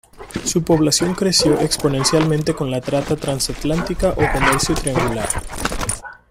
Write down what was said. Su población creció exponencialmente con la trata transatlántica o comercio triangular.